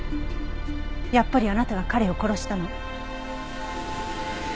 やっぱりあなたが彼を殺したの？